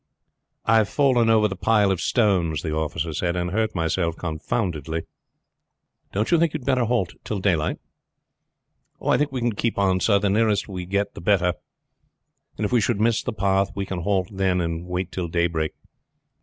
"I have fallen over the pile of stones," the officer said, "and hurt myself confoundedly." "Don't you think we had better halt till daylight?" "I think we can keep on, sir. The nearer we get there the better; and if we should miss the path we can halt then and wait till daybreak."